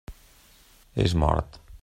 És mort.